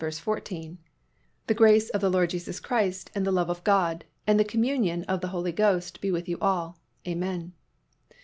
14, "The grace of the Lord Jesus Christ, and the love of God, and the communion of the Holy Ghost, be with you all. Amen."